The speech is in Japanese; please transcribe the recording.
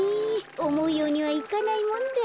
おもうようにはいかないもんだよ。